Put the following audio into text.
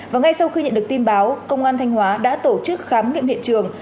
và ngay sau khi nhận được tin báo công an thanh hóa đã tổ chức khám nghiệm hiện trường